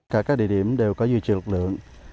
cả các địa điểm đều có duy trì lực lượng